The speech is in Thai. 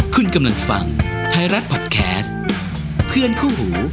คุณกำลังฟังไทยรัฐพอดแคสต์เพื่อนคู่หู